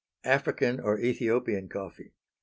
African, or Ethiopian Coffee.